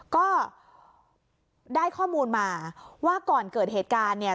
ก็ได้ข้อมูลมาว่าก่อนเกิดเหตุการณ์เนี่ย